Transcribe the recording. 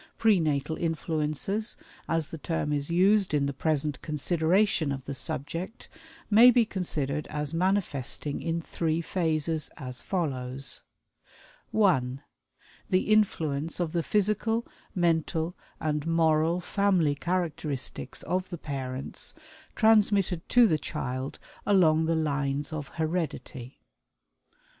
Pre Natal Influences (as the term is used in the present consideration of the subject) may be considered as manifesting in three phases, as follows: (1) The influence of the physical, mental, and moral "family characteristics" of the parents, transmitted to the child along the lines of heredity.